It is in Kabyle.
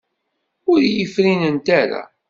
Ur iyi-frinent ara.